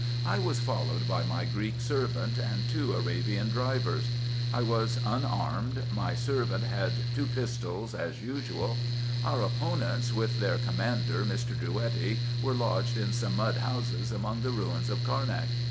I was followed by my Greek servant and two Arabian drivers. I was IN EGYPT, NUBIA, &c. 365 unarmed ; my servant had two pistols as usual. Our opponents, with their commander, Mr. Drouetti, were lodged in some mud houses among the ruins of Carnak.